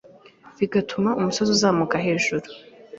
bigatuma umusozi uzamuka hejuru